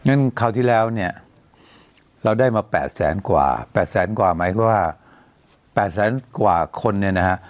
คราวที่แล้วเนี่ยเราได้มา๘แสนกว่า๘แสนกว่าหมายความว่า๘แสนกว่าคนเนี่ยนะฮะ